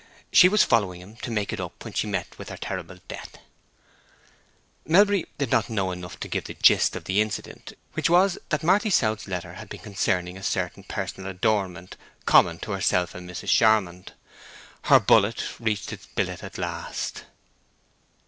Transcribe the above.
She was following him to make it up when she met with her terrible death." Melbury did not know enough to give the gist of the incident, which was that Marty South's letter had been concerning a certain personal adornment common to herself and Mrs. Charmond. Her bullet reached its billet at last.